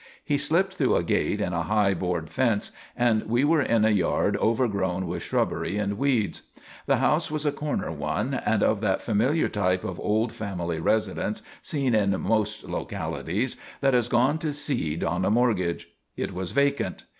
He slipped through a gate in a high board fence and we were in a yard overgrown with shrubbery and weeds. The house was a corner one and of that familiar type of old family residence, seen in most localities, that has gone to seed on a mortgage. It was vacant.